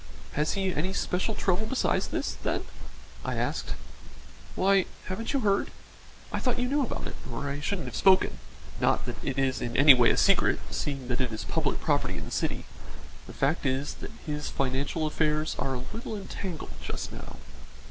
"Has he any special trouble besides this, then?" I asked. "Why, haven't you heard? I thought you knew about it, or I shouldn't have spoken not that it is in any way a secret, seeing that it is public property in the city. The fact is that his financial affairs are a little entangled just now."